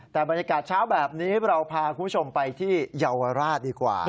แต่บรรยากาศเช้าแบบนี้เราพาคุณผู้ชมไปที่เยาวราชดีกว่า